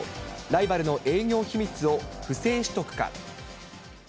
ライバルの営業機密を不正取得か。